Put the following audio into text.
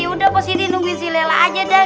ya udah pak siti nungguin si lela aja dah